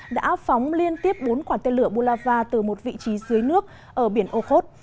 đã phóng liên tiếp bốn quả tên lửa bulava từ một vị trí dưới nước ở biển okhod